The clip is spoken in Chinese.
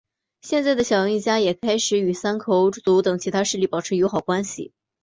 而现在的小樱一家也开始与山口组等其他势力保持友好关系。